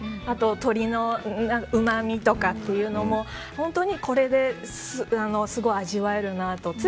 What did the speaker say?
あと鶏のうまみとかっていうのも本当にこれですごい味わえるなと。